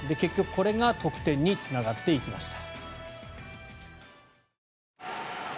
これが得点につながっていきました。